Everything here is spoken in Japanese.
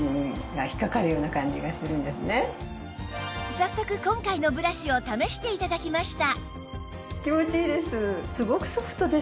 早速今回のブラシを試して頂きました